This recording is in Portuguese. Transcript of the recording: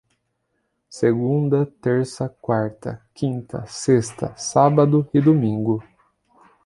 Segunda, terça, quarta, quinta, sexta, sábado e domingo